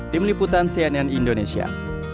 tim liputan sianian indonesia